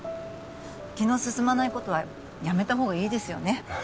気の進まないことはやめた方がいいですよね